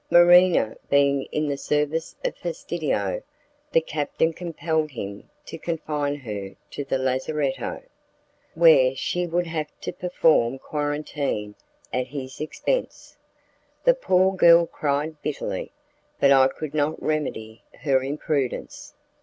Marina being in the service of Fastidio, the captain compelled him to confine her to the lazaretto, where she would have to perform quarantine at his expense. The poor girl cried bitterly, but I could not remedy her imprudence.